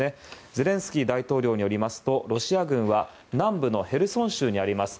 ゼレンスキー大統領によりますとロシア軍は南部のヘルソン州にあります